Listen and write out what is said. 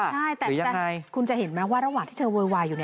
ใช่แต่คุณจะเห็นไหมว่าระหว่างที่เธอโวยวายอยู่